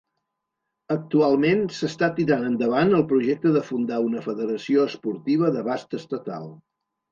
Actualment s'està tirant endavant el projecte de fundar una federació esportiva d'abast estatal.